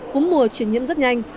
cúm mùa chuyển nhiễm rất nhanh